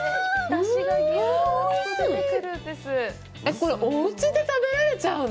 これ、おうちで食べられちゃうの！？